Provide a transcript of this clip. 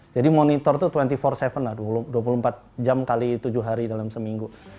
jadi monitor tuh dua puluh empat tujuh lah dua puluh empat jam kali tujuh hari dalam seminggu